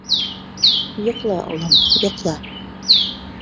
— Йоҡла, улым, йоҡла.